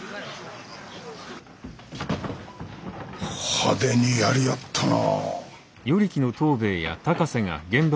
派手にやり合ったな。